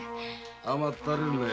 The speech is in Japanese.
甘ったれるなよ。